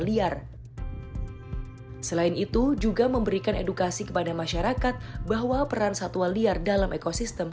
liar selain itu juga memberikan edukasi kepada masyarakat bahwa peran satwa liar dalam ekosistem